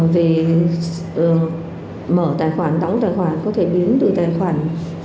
về mở tài khoản đóng tài khoản có thể biến từ tài khoản